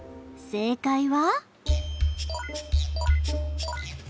正解は。